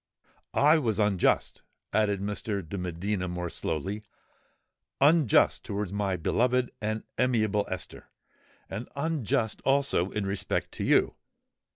I was unjust," added Mr. de Medina, more slowly,—"unjust towards my beloved and amiable Esther—and unjust also in respect to you.